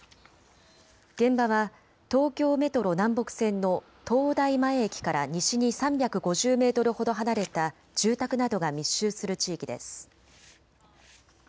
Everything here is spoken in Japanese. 現場は東京メトロ南北線の東大前駅から西に３５０メートルほど離れた住宅などが密集する地域です。